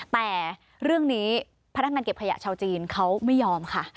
แต่เรื่องนี้พนักงานเก็บขยะชาวจีนเขาไม่ยอมค่ะ